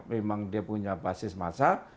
memang dia punya basis masa